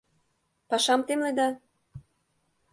— Пашам темледа?..